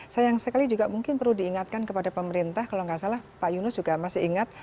sayang sekali juga mungkin perlu diingatkan kepada pemerintah kalau nggak salah pak yunus juga masih ingat